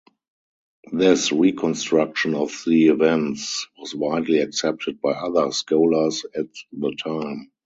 This reconstruction of the events was widely accepted by other scholars at the time.